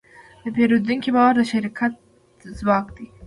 د پیرودونکي باور د شرکت ځواک دی.